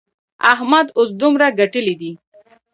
احمد اوس دومره ګټلې دي.